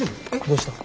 どうした？